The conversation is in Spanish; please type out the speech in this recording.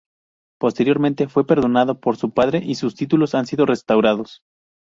Posteriormente fue perdonado por su padre y sus títulos han sido restaurados.